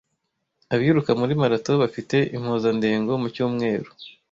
Abiruka muri marato bafite impuzandengo mu cyumweru